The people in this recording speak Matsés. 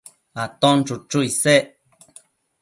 Aton chuchu isec